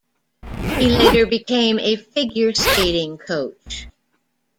He later became a figure skating coach.